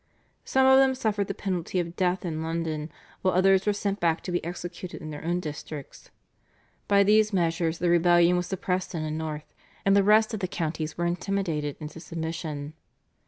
Some of them suffered the penalty of death in London, while others were sent back to be executed in their own districts. By these measures the rebellion was suppressed in the north, and the rest of the counties were intimidated into submission.